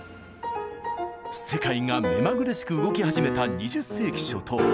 世界が目まぐるしく動き始めた２０世紀初頭。